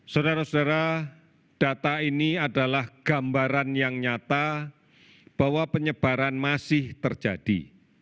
saudara saudara data ini adalah gambaran yang nyata bahwa penyebaran masih terjadi